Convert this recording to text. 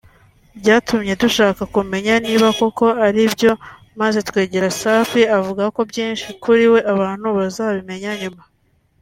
Byatumye dushaka kumenya niba koko ari byo maze twegera Safi avuga ko byinshi kuri we abantu bazabimenya nyuma